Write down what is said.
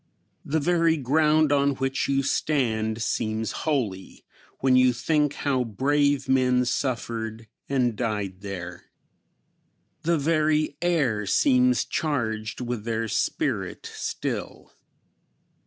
The very ground on which you stand seems holy, when you think how brave men suffered and died there. The very air seems charged with their spirit still.